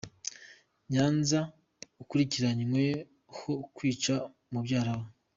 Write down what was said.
Nyanza Akurikiranweho kwica mubyara we